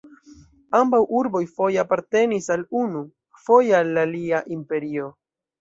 Ambaŭ urboj foje apartenis al unu, foje al la alia imperio.